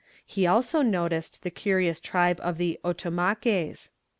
He also noticed the curious tribe of the Otomaques.